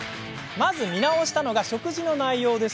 まず、見直したのは食事の内容。